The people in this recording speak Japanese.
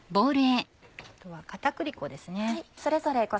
あとは片栗粉ですね。